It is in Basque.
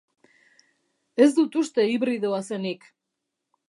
Ez dut uste hibridoa zenik.